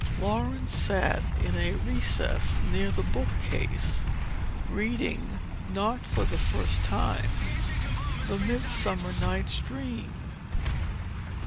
Laurence sat in a recess near the book case, reading, not for the first time, the Midsummer Night's Dream.